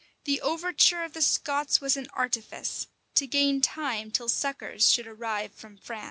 The overture of the Scots was an artifice, to gain time till succors should arrive from France.